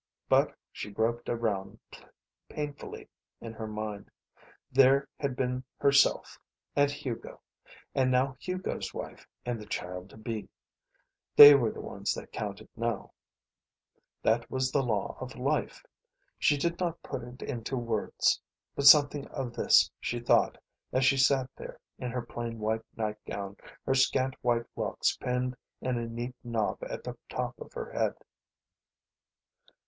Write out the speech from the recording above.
But she groped around, painfully, in her mind. There had been herself and Hugo. And now Hugo's wife and the child to be. They were the ones that counted, now. That was the law of life. She did not put it into words. But something of this she thought as she sat there in her plain white nightgown, her scant white locks pinned in a neat knob at the top of her head.